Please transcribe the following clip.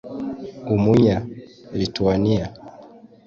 Umunya-Lithuania